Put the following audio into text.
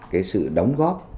cái sự đóng góp